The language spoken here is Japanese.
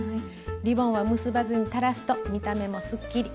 リボンは結ばずに垂らすと見た目もすっきり。